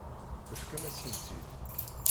Tefkam-asen-tt-id.